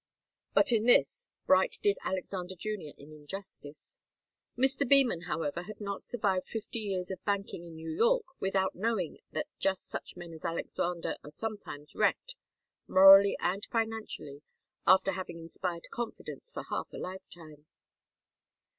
But in this Bright did Alexander Junior an injustice. Mr. Beman, however, had not survived fifty years of banking in New York without knowing that just such men as Alexander are sometimes wrecked, morally and financially, after having inspired confidence for half a lifetime.